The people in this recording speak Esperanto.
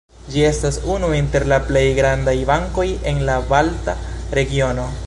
Ĝi estas unu inter la plej grandaj bankoj en la balta regiono.